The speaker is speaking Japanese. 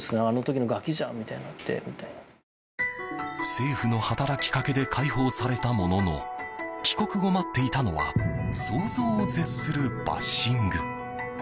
政府の働きかけで解放されたものの帰国後、待っていたのは想像を絶するバッシング。